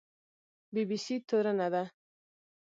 بي بي سي تورنه ده